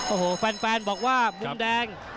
โอ้โหแฟนบอกว่ามุมแดง